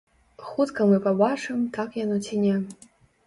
Хутка мы пабачым, так яно ці не.